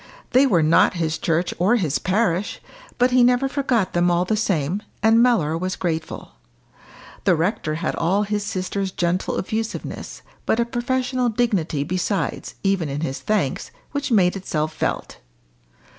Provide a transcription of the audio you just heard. They were not his church or his parish, but he never forgot them all the same, and Mellor was grateful. The rector had all his sister's gentle effusiveness, but a professional dignity besides, even in his thanks, which made itself felt.